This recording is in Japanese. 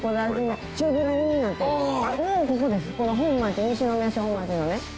この本町西宮本町のね。